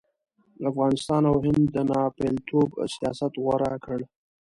افغانستان او هند د ناپېلتوب سیاست غوره کړ.